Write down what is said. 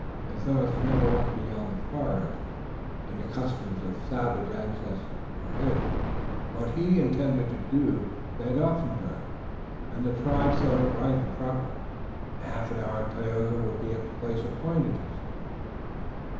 His thoughts never went beyond the forest, and the customs of savage ancestors were his. What he intended to do they had often done, and the tribes thought it right and proper. "In half an hour, Tayoga, we will be at the place appointed," he said.